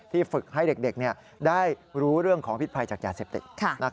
ฝึกให้เด็กได้รู้เรื่องของพิษภัยจากยาเสพติด